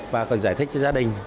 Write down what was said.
bà còn giải thích cho gia đình